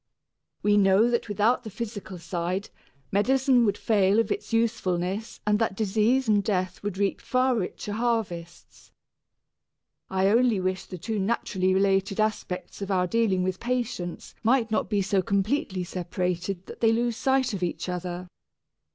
We know that without the physical side medicine would fail of its usefulness and that disease and death would reap far richer harvests: I only wish the two naturally related aspects of our dealing with patients might not be so completely separated that they lose sight of each other.